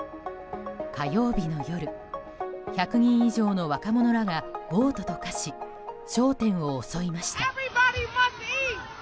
火曜日の夜１００人以上の若者らが暴徒と化し、商店を襲いました。